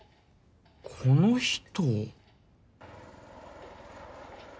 この人。